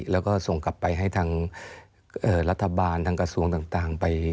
แล้วก็ส่งกลับไปให้ทางรัฐบาลทางกระทรวงต่างไป